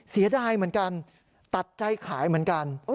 เสียดายเหมือนกันตัดใจขายเหมือนกัน